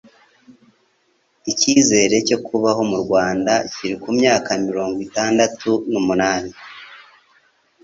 icyizere cyo kubaho mu Rwanda kiri ku myaka mirongwitandatu numunani